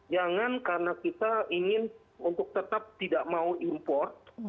jangan karena kita ingin untuk tetap tidak mau import